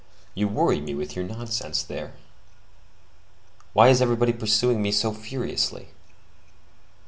You worry me with your nonsense, there! Why is everybody pursuing me so furiously?"